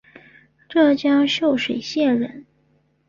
浙江秀水县人。